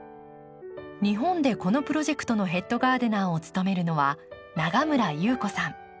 日本でこのプロジェクトのヘッドガーデナーを務めるのは永村裕子さん。